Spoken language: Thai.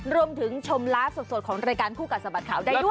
รวมถึงชมไลฟ์สดของรายการคู่กัดสะบัดข่าวได้ด้วย